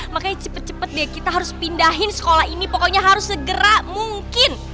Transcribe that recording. makanya cepet cepet deh kita harus pindahin sekolah ini pokoknya harus segera mungkin